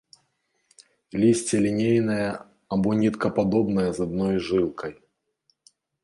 Лісце лінейнае або ніткападобнае з адной жылкай.